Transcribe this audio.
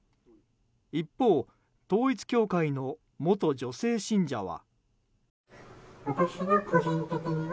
一方、統一教会の元女性信者は。